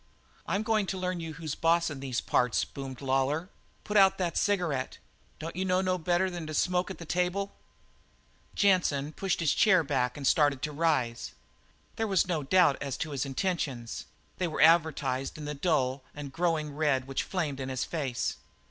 "I'm going to learn you who's boss in these parts," boomed Lawlor. "Put out that cigarette! Don't you know no better than to smoke at the table?" Jansen pushed back his chair and started to rise. There was no doubt as to his intentions; they were advertised in the dull and growing red which flamed in his face.